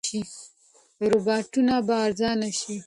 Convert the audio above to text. روباټونه به ارزانه شي.